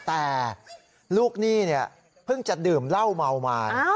แต่ลูกหนี้เนี่ยเพิ่งจะดื่มเหล้าเมามา